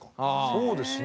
そうですね。